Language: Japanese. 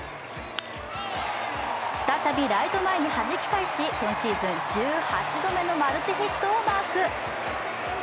再び、ライト前にはじき返し今シーズン１８度目のマルチヒットをマーク。